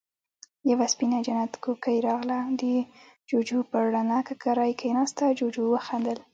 يوه سپينه جنت کوکۍ راغله، د جُوجُو پر رڼه ککری کېناسته، جُوجُو وخندل: